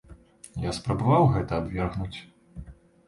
Я спрабаваў гэта абвергнуць.